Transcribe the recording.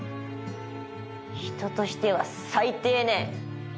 人としては最低ね。